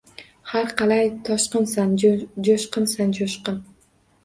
Har qalay toshqinsan, jo’shqinsan-jo’shqin